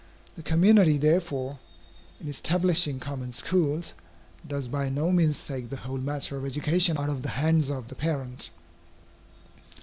The community, therefore, in establishing common schools, does by no means take the whole matter of education out of the hands of the parent.